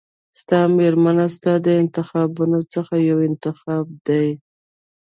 ستا مېرمن ستا د انتخابونو څخه یو انتخاب دی.